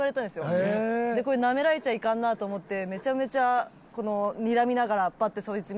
これなめられちゃいかんなと思ってめちゃめちゃにらみながらパッてそいつ